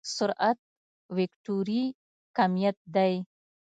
سرعت وکتوري کميت دی.